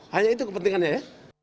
hanya itu kepentingannya ya